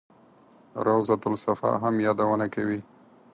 روضته الصفا هم یادونه کوي.